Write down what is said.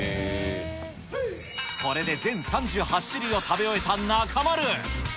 これで全３８種類を食べ終えた中丸。